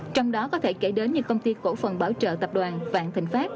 trong đó có thể kể đến như công ty cổ phần bảo trợ tập đoàn vạn thịnh pháp